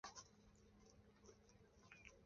国家运动场车站里的一个车站。